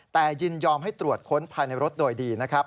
แต่ยินยอมให้ตรวจค้นภายในรถโดยดีนะครับ